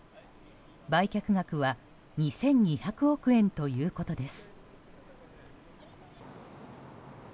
売却額は２２００億円ということです。